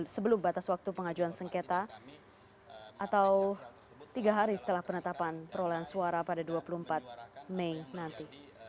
sebelum batas waktu pengajuan sengketa atau tiga hari setelah penetapan perolehan suara pada dua puluh empat mei nanti